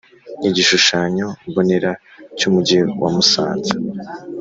igishushanyo mbonera cy Umujyi wa Musanze